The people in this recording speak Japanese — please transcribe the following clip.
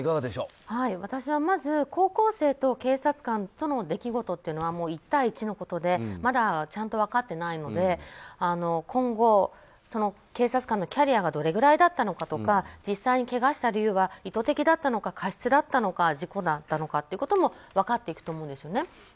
私はまず高校生と警察官との出来事というのは１対１のことでまだちゃんと分かっていないので今後、警察官のキャリアがどれぐらいだったのかとか実際にけがした理由は意図的だったのか過失だったのか事故だったのかということも分かっていくと思うんですよね。